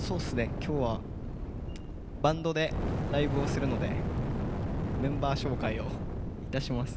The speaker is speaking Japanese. きょうはバンドでライブをするのでメンバー紹介をいたします。